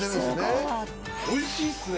美味しいっすね！